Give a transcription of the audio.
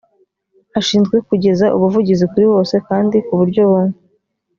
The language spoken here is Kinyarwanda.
ashinzwe kugeza ubuvuzi kuri bose kandi ku buryo bumwe